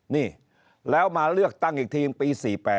นี่แล้วมาเลือกตั้งอีกทีปี๔๘